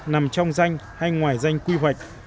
nằm trong danh hay ngoài danh quy hoạch